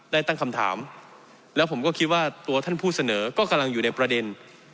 ตั้งคำถามแล้วผมก็คิดว่าตัวท่านผู้เสนอก็กำลังอยู่ในประเด็น